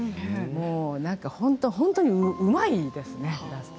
もう何か本当にうまいですね。